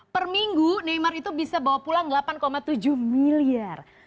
per minggu neymar itu bisa bawa pulang delapan tujuh miliar